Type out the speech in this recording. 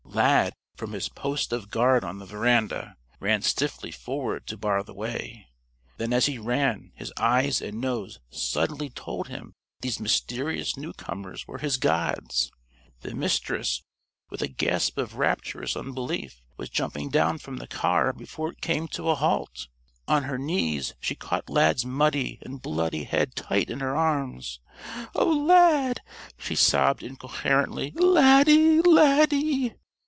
Lad, from his post of guard on the veranda, ran stiffly forward to bar the way. Then as he ran his eyes and nose suddenly told him these mysterious newcomers were his gods. The Mistress, with a gasp of rapturous unbelief, was jumping down from the car before it came to a halt. On her knees, she caught Lad's muddy and bloody head tight in her arms. "Oh, Lad;" she sobbed incoherently. "Laddie! _Laddie!